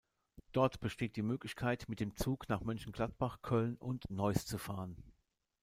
Dort besteht die Möglichkeit, mit dem Zug nach Mönchengladbach, Köln und Neuss zu fahren.